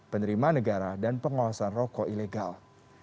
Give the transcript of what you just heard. penerimaan negara dan pengawasan rokok ilegal